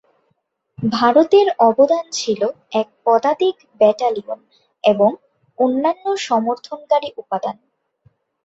ভারতের অবদান ছিল এক পদাতিক ব্যাটালিয়ন এবং অন্যান্য সমর্থনকারী উপাদান।